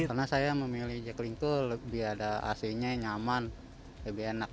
karena saya memilih jaklingko lebih ada ac nya nyaman lebih enak aja adem